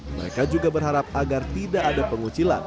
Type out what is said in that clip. mereka juga berharap agar tidak ada pengucilan